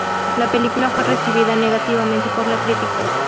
La película fue recibida negativamente por la crítica.